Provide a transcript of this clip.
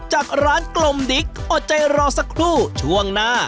จากร้านกลมดิ๊กอดใจรอสักครู่ช่วงหน้า